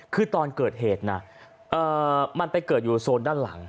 คือตอนเกิดเหตุนะมันไปเกิดอยู่โซนด้านหลัง